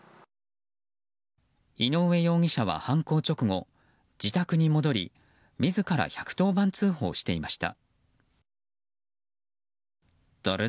井上容疑者は犯行直後自宅に戻り自ら１１０番通報していました。